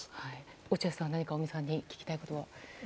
落合さん、何か尾身さんに聞きたいことは。